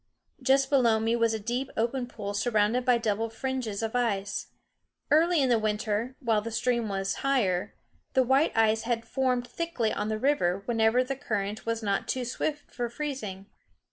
Just below me was a deep open pool surrounded by double fringes of ice. Early in the winter, while the stream was higher, the white ice had formed thickly on the river wherever the current was not too swift for freezing.